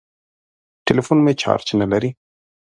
ټليفون مې چارچ نه لري.